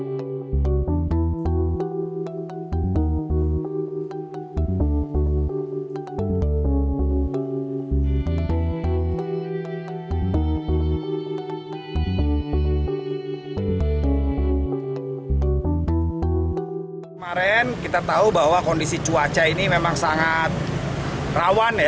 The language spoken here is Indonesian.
kemarin kita tahu bahwa kondisi cuaca ini memang sangat rawan ya